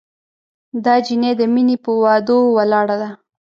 دا جینۍ د مینې پهٔ وعدو ولاړه ده